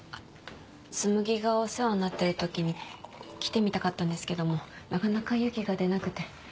つむぎがお世話になってる時に来てみたかったんですけどもなかなか勇気が出なくて。